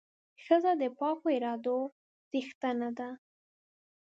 ښځه د پاکو ارادو څښتنه ده.